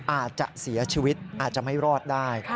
อาจจะเสียชีวิตอาจจะไม่รอดได้